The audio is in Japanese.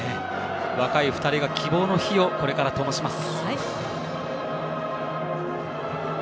若い２人が希望の火をこれからともします。